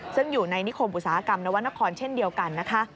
ซึ่งอยู่ในนิคมอุตสาหกรรมนวรรณครเช่นเดียวกันนะคะ